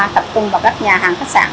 tập trung vào các nhà hàng khách sạn